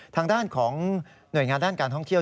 ทางด้านของหน่วยงานด้านการท่องเที่ยว